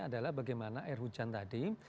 adalah bagaimana air hujan tadi